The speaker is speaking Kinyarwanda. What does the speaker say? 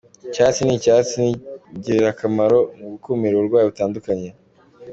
Icyayi cy’icyatsi ni ingirakamoro mu gukumira uburwayi butandukanye